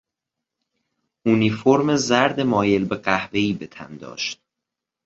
اونیفورم زرد مایل به قهوهای به تن داشت.